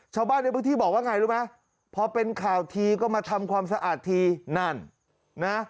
ชาวบ้านในพื้นที่บอกว่าไงรู้ไหมพอเป็นข่าวทีก็มาทำความสะอาดทีนั่นนะ